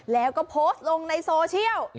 แล้วก็โพสต์ลงในโซเชียล